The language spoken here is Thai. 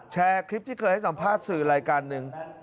แชร์คลิปที่เคยให้สัมภาษณ์สื่อรายการหนึ่ง